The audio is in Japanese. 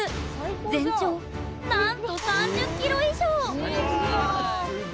全長なんと３０ｋｍ以上。